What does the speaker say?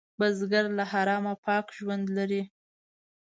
بزګر له حرامه پاک ژوند لري